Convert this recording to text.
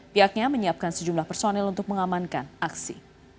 pihaknya menyiapkan sejumlah personel untuk mengamankan aksi